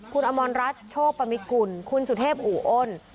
คุณอมรรัฐโชคปมิตกุลคุณสุเทพอู่อ้น